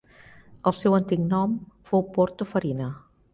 El seu antic nom fou Porto Farina.